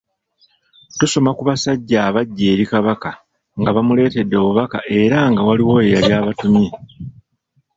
Tusoma ku basajja abajja eri kabaka nga bamuleetedde obubaka era nga waaliwo eyali abatumye.